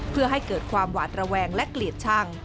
เพื่อให้เกิดความหวาดระแวงและเกลียดช่าง